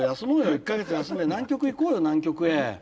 １か月休んで南極行こうよ南極へ。